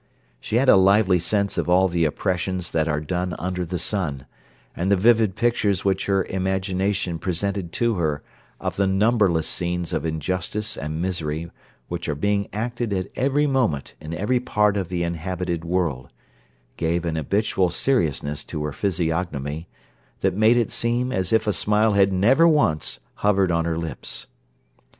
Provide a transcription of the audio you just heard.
She had a lively sense of all the oppressions that are done under the sun; and the vivid pictures which her imagination presented to her of the numberless scenes of injustice and misery which are being acted at every moment in every part of the inhabited world, gave an habitual seriousness to her physiognomy, that made it seem as if a smile had never once hovered on her lips.